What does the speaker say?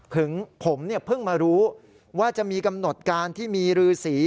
ถึงผมเนี่ยเพิ่งมารู้ว่าจะมีกำหนดการที่มีรือสี